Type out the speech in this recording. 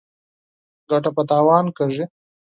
ـ ګټه په تاوان کېږي.